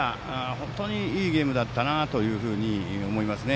本当にいいゲームだったなと思いますね。